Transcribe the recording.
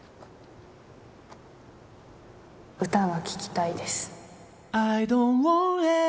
歌が聴きたいです